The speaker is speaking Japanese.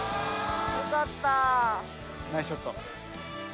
ナイスショット。